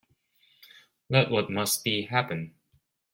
Let what must be, happen.